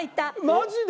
マジで！？